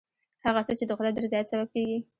هغه څه چې د خدای د رضایت سبب کېږي.